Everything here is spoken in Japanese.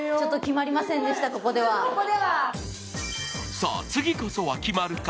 さぁ、次こそは決まるか？